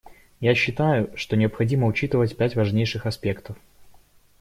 Я считаю, что необходимо учитывать пять важнейших аспектов.